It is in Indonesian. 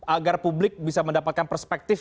agar publik bisa mendapatkan perspektif